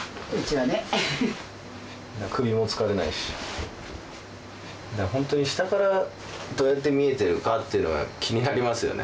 だからほんとに下からどうやって見えてるかっていうのは気になりますよね。